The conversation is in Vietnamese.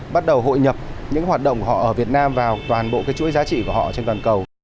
bắt đầu hội nhập những hoạt động của họ ở việt nam vào toàn bộ cái chuỗi giá trị của họ trên toàn cầu